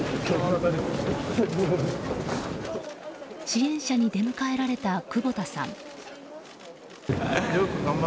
支援者に出迎えられた久保田さん。